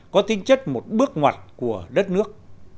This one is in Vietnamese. có tính chất một bước ngoặt của đất nước